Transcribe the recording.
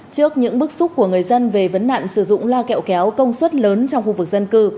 trước những bức xúc của người dân về vấn nạn sử dụng la kẹo kéo công suất lớn trong khu vực dân cư